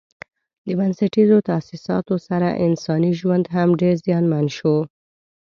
د بنسټیزو تاسیساتو سره انساني ژوند هم ډېر زیانمن شو.